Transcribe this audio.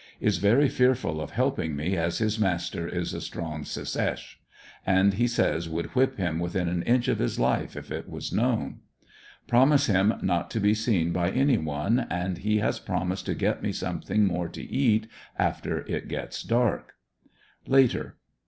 Is very fearful of helping me as his master is a strong Secesh., and he says would whip him within an inch of his life if it was known. Promise him not to be seen by any one and he has promised to get me something more to ANDERSONVILLE DIABT, 123 eat after it gets dark. Later.